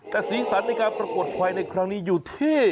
แต่สีสันในการประกวดควายในครั้งนี้อยู่ที่